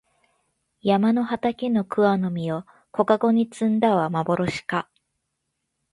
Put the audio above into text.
山の畑の桑の実を小かごに摘んだはまぼろしか